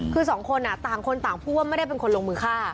คือสองคนต่างคนต่างพูดว่าไม่ได้เป็นคนลงมือฆ่า